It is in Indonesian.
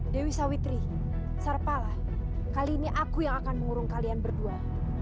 dewi sawitri sarpala kali ini aku yang akan mengurung kalian berdua